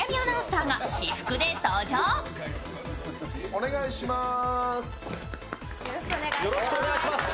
お願いします。